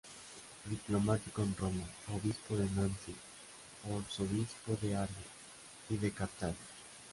Diplomático en Roma, obispo de Nancy, arzobispo de Argel y de Cartago.